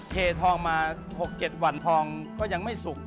เททองมา๖๗วันทองก็ยังไม่สุก